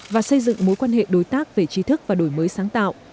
và xây dựng mối quan hệ đối tác về chi thức và đổi mới sáng tạo